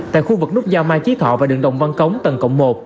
tại khu vực nút giao mai chí thọ và đường đồng văn cống tầng cộng một